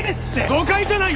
誤解じゃない！